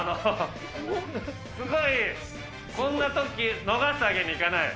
すごいそんなとき逃すわけにいかない。